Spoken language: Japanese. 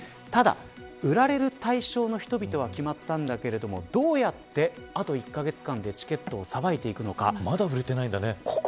ただ、売られる対象の人々は決まったんだけれどもどうやって、あと１カ月間でチケットをさばいていくのか。